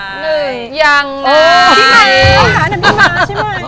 พี่ไงต้องหาหนักพี่มาบใช่ไหม